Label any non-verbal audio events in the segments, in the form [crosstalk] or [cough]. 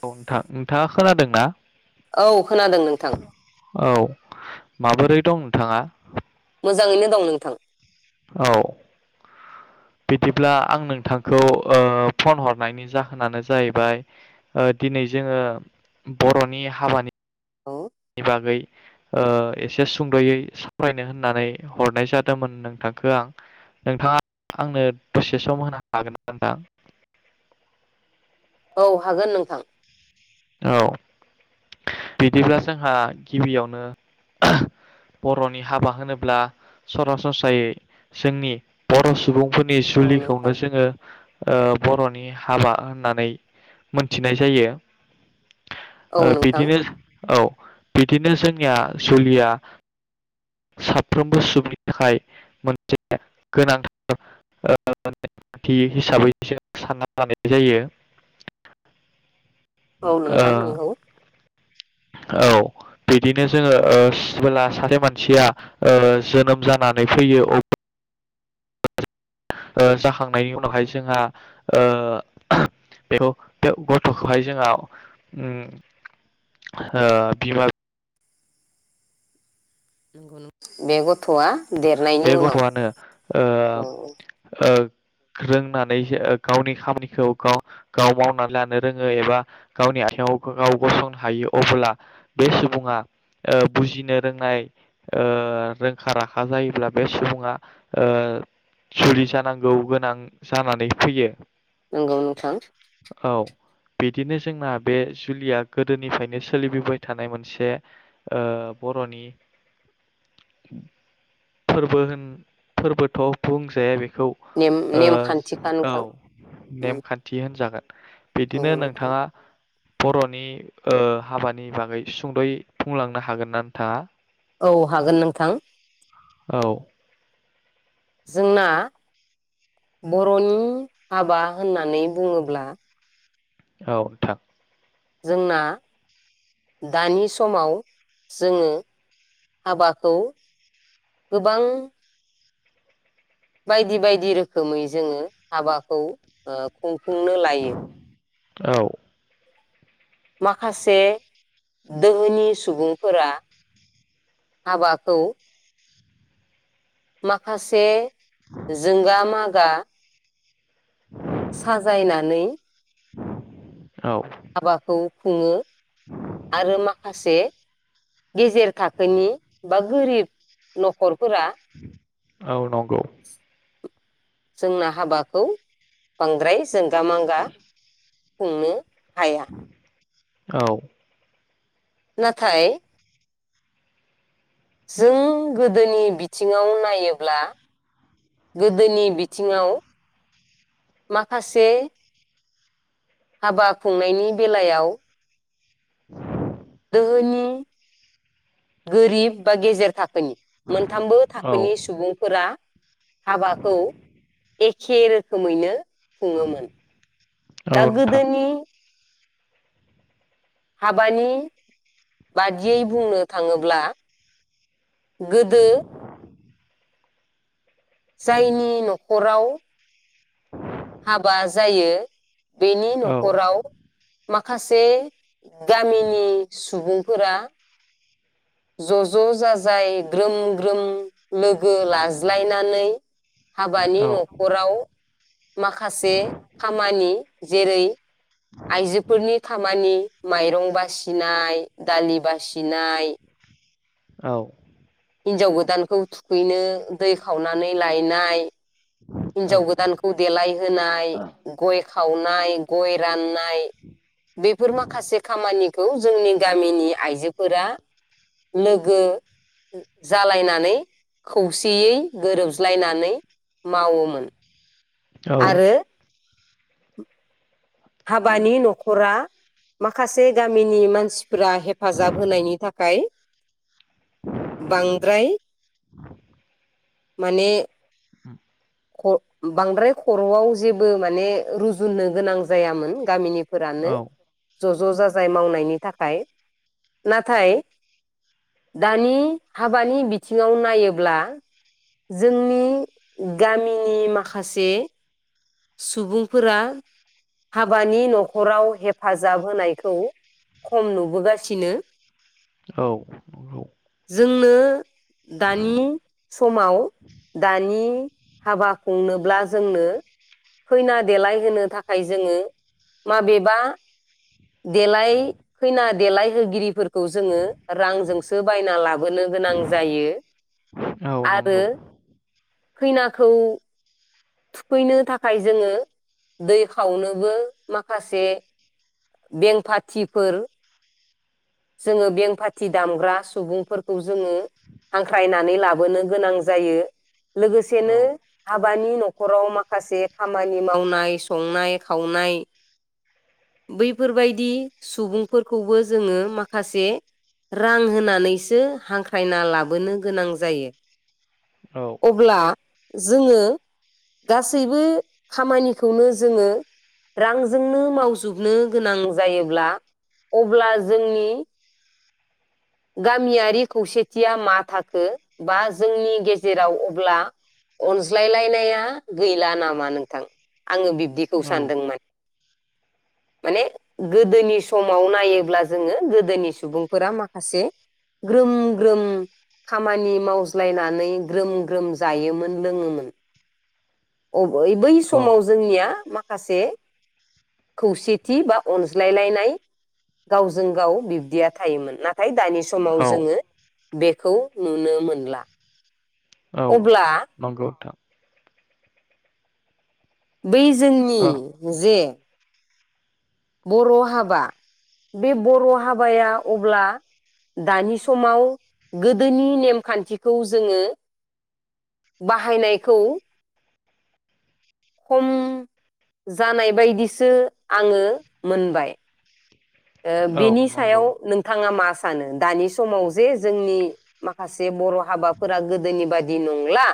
औ नोंथां नोंथाङा खोनादों ना? औ खोनादों नोंथां औ माबोरै दं नोंथाङा? मोजाङैनो दं नोंथां। औ बिदिब्ला आं नोंथांखौ फन हरनायनि जाहोनानो जाहैबाय दिनै जोङो बर'नि हाबानि औ आनि बागै ओ एसे सुंद'यै सावरायनो होननानै हरनाय जादोंमोन नोंथांखौ आं नोंथाङा आंनो दसे सम होनो हागोन ना नोंथां? औ हागोन नोंथां। औ बिदिब्ला जोंहा गिबियावनो बर'नि हाबा होनोब्ला सरासनस्रायै जोंनि बर' सुबुंफोर नि औ नोंथां जुलिखौनो जोङो ओ बर'नि हाबा होननानै मोनथिनाय जायो। औ ओ नोंथां बिदिनो औ बिदिनो जोंनिया जुलिया साफ्रोमबो सुबुंनि थाखाय मोनसे गोनांथार ओ नेमखान्थि हिसाबै जों सानना लानाय जायो। औ ओ नोंथां नंगौ। औ बिदिनो जोङो ओ सिला सासे मानसिया जोनोम जानानै फैयो। अब्ला ओ जाखांनायनि उनावहाय जोंहा ओ बेखौ गथ'खौहाय जोंहा उम ओ बिमा नंगौ बे गथ'आ देरनायनि बे उनाव गथ'आनो ओ औ ओ रोंनानै गावनि खामानिखौ गाव गाव मावनानै लानो रोङो एबा गावनि आथिङाव गाव गसंनो हायो। अबोला बे सुबुङा बुजिनो रोंनाय एबा रोंखा राखा जायोब्ला। बे सुबुङा ओ जुलि जानांगौ गोनां जानानै फैयो नंगौ नोंथां। औ बिदिनो जोंना बे जुलिया गोदोनिफ्रायनो सोलिबोबाय थानाय मोनसे ओ बर'नि फोरबो होन फोरबोथ' बुंजाया बे खौ नेम नेमखान्थिखा औ नोंथां उम नेमखान्थि होनजागोन औ बिदिनो नोंथां नोंथाङा बर'नि ओ हाबानि बागै सुंद'यै बुंलांनो हागोन ना नोंथाङा? औ हागोन नोंथां। [inaudible] औ। जोंना बर'नि हाबा होनना बुङोब्ला औ नोंथां जोंना दानि समाव जोङो हाबाखौ गोबां बायदि बायदि रोखोमै जोङो हाबाखौ ओ खुं खुंनो लायो औ। माखासे दोहोनि सुबुंफोरा हाबाखौ माखासे जोंगा मागा गा साजायनानै [inaudible] हाबाखौ खुङो आरो माखासे गेजेर थाखोनि बा गोरिब न'खरफोरा औ नंगौ। जोंना हाबाखौ बांद्राय जोंगा मांगा खुंनो हाया औ नाथाय जों गोदोनि बिथिङाव नायोब्ला गोदोनि बिथिङाव माखासे हाबा खुंनायनि बेलायाव धोहोनि गोरिब बा गेजेर थाखोनि मोनथामबो औ थाखोनि सुबुंफोरा हाबाखौ एखे रोखोमैनो खुङोमोन औ दा नोंथां गोदोनि हाबानि बादियै बुंनो थाङोब्ला गोदो जायनि न'खराव [inaudible] हाबा जायो। बेनि औ न'खराव माखासे गामिनि सुबुं फोरा ज' ज' जाजाय ग्रोम ग्रोम लोगो लाज्लायनानै हाबानि औ न'खराव माखासे खामानि जेरै आइजोफोरनि खामानि माइरं बासिनाय दालि बासिनाय औ हिन्जाव गोदानखौ थुखैनो दै खावनानै लायनाय हिनजाव औ गोदानखौ देलायहोनाय गय खावनाय गय राननाय नाय बेफोर माखासे खामानि खौ जोंनि गामिनि आइजोफोरा लोगो जालायनानै खौसेयै गोरोबज्लायनानै मावोमोन औ आरो [inaudible] हाबानि न'खरा माखासे गामिनि मानसि फोरा हेफाजाब होनायनि थाखाय। बांद्राय माने उम ख' बांद्राय खर'आव जेबो माने रुजुननो गोनां जायामोन गामिनि फोरानो औ औ ज' ज' जाजाय मावनायनि थाखाय नाथाय दानि हाबानि बिथिङाव नायोब्ला जोंनि गामिनि माखासे सुबुंफोरा हाबानि न'खराव हेफाजाब होनायखौ खम नुबोगासिनो। औ नंगौ। जोंनो दानि समाव दानि हाबा खुंनोब्ला जोंनो खैना देलाय होनो थाखाय जोङो माबेबा देलाय खैना देलायहोगिरिफोरखौ जोङो रांजोंसो बायना ला बोनो गोनां जायो औ आरो नंगौ खैना खौ थुखैनो थाखाय जोङो दै खावनोबो माखासे बेंफाथिफोर जोङो बेंफाथि दामग्रा सुबुंफोरखौ जोङो हांख्रायनानै लाबोनो गोनां जायो औ लोगोसेनो हाबानि न' खराव माखासे खामानि मावनाय संनाय खावनाय बैफोरबायदि सुबुंफोरखौबो जोङो माखासे रां होनानैसो हांख्रायना लाबोनो गोनां जायो औ अब्ला जोङो गासैबो खामानिखौनो जोङो रांजोंनो मावजोब नो गोनां जायोब्ला अब्ला जोंनि गामियारि खौसेथिया मा थाखो बा जोंनि गेजेराव अब्ला अनज्लाय लायनाया गैला नामा नोंथां आङो बिब्दिखौ औ सानदों मा माने गोदोनि समाव नायोब्ला जोङो गोदोनि सुबुंफोरा मा माखासे ग्रोम ग्रोम खामानि मावज्लायनानै ग्रोम ग्रोम जायोमोन लोङोमोन बय बै औ समाव जोंनिया मा माखासे खौसेथि बा अनज्लायलायनाय गावजों गाव बिब्दिया थायोमोन ना थाय दानि समाव औ जोङो बेखौ नुनो मोनला औ अब्ला नंगौ नोंथां बै जोंनि ओ जे बर' हाबा बे बर' हाबाया अब्ला दानि समाव गोदोनि नेमखान्थिखौ जोङो बाहायनायखौ खम जानाय बायदिसो आङो मोनबाय ओ औ बेनि नंगौ सायाव नोंथाङा मा सानो दानि समाव जे जोंनि माखा से बर' हाबाफोरा गोदोनि बा दि नंला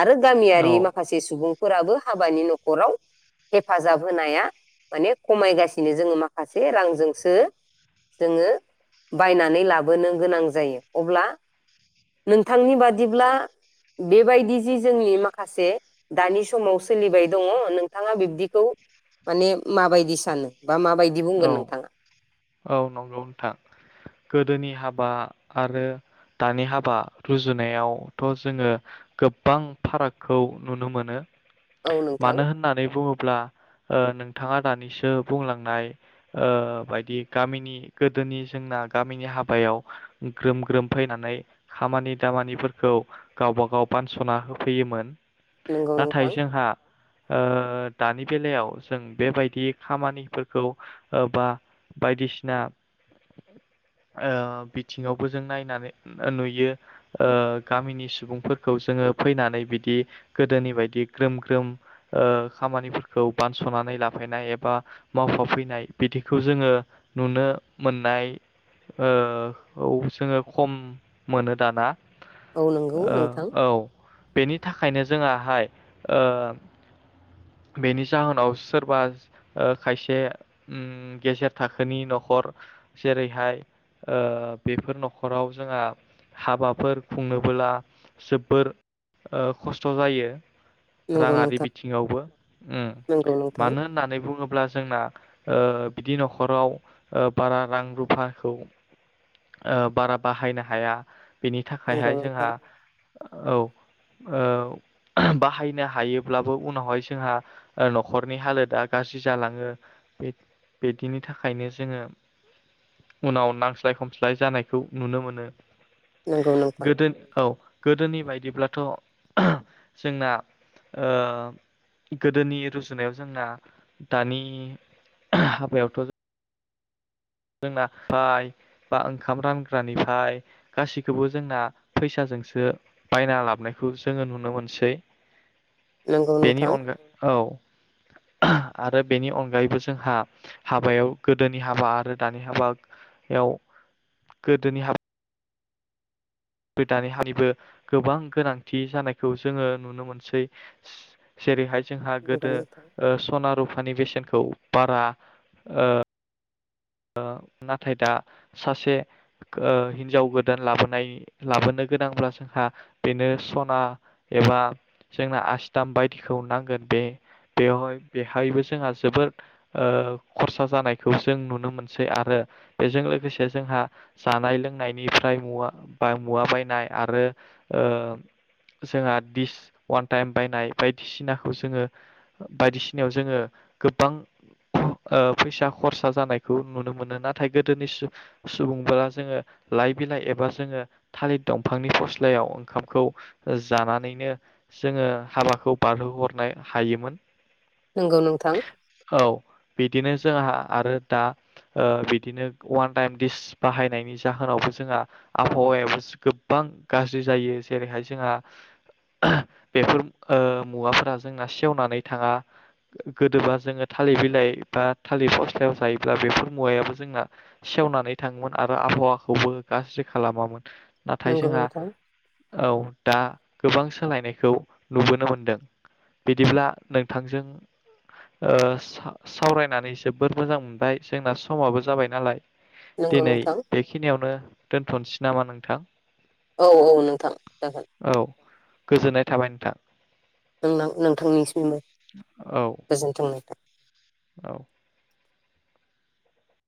आरो औ गामियारि माखासे सुबुं फोराबो हाबानि न'खराव हेफाजाब होनाया माने खमायगासिनो जोङो माखासे रांजों सो जोङो बायनानै लाबोनो गोनां जायो अब्ला नोंथांनि बादिब्ला बेबायदि जि जोंनि माखासे दानि समाव सोलिबाय दङ नोंथाङा बिब्दिखौ माने माबायदि सानो बा माबायदि औ बुंगोन नोंथाङा औ नंगौ नोंथां गोदोनि हाबा आरो दानि हाबा रुजुनायावथ' जोङो गोबां फारागखौ नुनो मोनो औ नोंथां मानो होननानै बुङोब्ला ओ नोंथाङा दानिसो बुंलांनाय ओ बायदि गामिनि गोदोनि जोंना गामिनि हाबायाव ग्रोम ग्रोम फैनानै खामानि दामानिफोरखौ गावब गाव बानस'ना होफैयोमोन नंगौ नाथाय नोंथां जोंहा ओ दानि बेलायाव जों बेबायदि खामानिफोरखौ ओ बा बायदिसिना ओ बिथिङावबो जों नायनानै नुयो ओ गामिनि सुबुंफोरखौ जोङो फैनानै बिदि गोदोनि बायदि ग्रोम ग्रोम ओ खामानिफोरखौ बानस'नानै लाफैनाय एबा मावफा फैनाय फैनाय बिदिखौ जोङो नुनो मोननाय ओ जोङो खम मोनो दाना औ नंगौ ओ नोंथां औ नि थाखायनो जोंहाय ओ बेनि जाहोनाव सोरबा ओ खायसे ओम गेजेर थाखोनि न'खर जेरैहाय बेफोर न'खराव जोंहा हाबाफोर खुंनोबोब्ला जोबोर ओ खस्थ' जायो नंगौ राङारि नोंथां बिथिङाव उम नंगौ नोंथां मानो होननानै बुङोब्ला जोंना ओ बिदि न'खराव ओ बारा रां रुफाखौ ओ बारा बाहायनो हाया बेनि थाखायहाय जोंहा नंगौ औ ओ बाहायनो हायोब्लाबो उनावहाय जोंहा न'खरनि हालोदा गाज्रि जालाङो बि बिदिनि थाखायनो जोङो उनाव नांज्लाय खमज्लाय जानायखौ नुनो मोनो नोंथां गोदोनि औ गोदोनि बायदिब्लाथ' जोंना ओ गोदोनि रुजुनायाव जोंना दानि हाबायावथ' जोंना फाय बा ओंखाम रानग्रानिफाय गासैखौबो जोंना फैसाजोंसो बायना लाबनायखौ जोङो नुनो मोनसै नंगौ बेनि नोंथां अनगा औ आरो बेनि अनगायैबो जोंहा हाबायाव गोदोनि हाबा आरो दानि हाबायाव गोदोनि हाबा बे दानिहानिबो गोबां गोनांथि जानायखौ जोङो नुनो मोनसै जे जेरैहाय जोंहा गोदो नंगौ नोंथां ओ सना रु फानि बेसेनखौ बारा ओ नाथाय दा सासे ओ हिनजाव गोदान लाबोनाय लाबोनो गोनांब्ला जोंहा बेनो सना एबा जोंना आसिथाम बायदिखौ नांगोन बे बेवहाय बेहायबो जोंहा ओ जोबोद खरसा जानायखौ जों नुनो मोनो आरो बेजों लोगोसे जोंहा जानाय लोंनायनिफ्राय मुवा बायनाय आरो ओ जोंहा दिस वान टाइम बायनाय बायदिसिनाखौ जोङो बायदिसिनायाव जोङो गोबां फैसा खरसा जानाय खौ नुनो मोनो नाथाय गोदोनि सुबुंफोरा जोङो लाइ बिलाइ एबा जोङो थालिर दंफांनि फस्लायाव ओंखामखौ जानानैनो जोङो हाबाखौ बारहोहरनो हायोमोन। नंगौ नोंथां नंगौ नोंथां औ बिदिनो जोंहा आरो दा ओ बिदिनो वान टाइम दिसि बाहायनायनि जाहोनावबो जोंहा आबहावायाबो गोबां गाज्रि जायो जेरैहाय जोंहा बेफोर मुवाफोरा जोंना सेवनानै थाङा गोदोबा जोङो थालिर बिलाइ बा थालिर फस्लायाव जायो ब्ला बेफोर मुवायाबो जोंना सेवनानै थाङोमोन आरो आबहावाखौबो गाज्रि खालामामोन। नाथाय नंगौ जोंहा नोंथां औ दा। गोबां सोलायनायखौ नुबोनो मोनदों बिदिब्ला नोंथांजों ओ सा सावरायनानै जोबोद मोजां बाय जोंना समाबो जाबाय नालाय नंगौ दिनै नोंथां बेखिनियावनो दोनथ'सै नामा नोंथां? औ औ नोंथां औ गोजोननाय थाबाय नोंथां नोंथांनि सिमबो औ गोजोनथों नोंथां औ